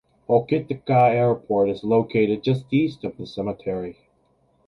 Hokitika Airport is located just east of the cemetery.